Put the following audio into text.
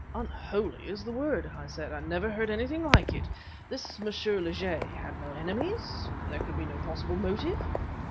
"Unholy is the word," I said. "I never heard anything like it. This M. Lejay had no enemies? there could be no possible motive?"